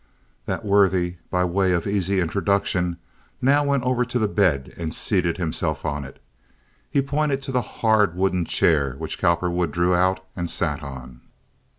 That worthy, by way of easy introduction, now went over to the bed and seated himself on it. He pointed to the hard wooden chair, which Cowperwood drew out and sat on.